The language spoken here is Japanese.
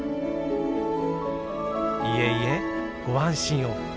いえいえご安心を。